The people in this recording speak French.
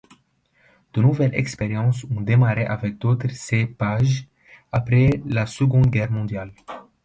De nouvelles expériences ont démarré avec d'autres cépages après la Seconde Guerre mondiale.